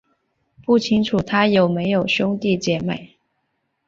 不清楚他有没有兄弟姊妹。